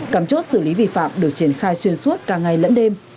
cảm chốt xử lý vi phạm được triển khai xuyên suốt cả ngày lẫn đêm